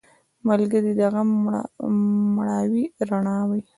ملګری د غم مړاوې رڼا وي